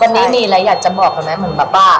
คุณนี้มีอะไรอยากจะบอกไหมเปล่าบ้า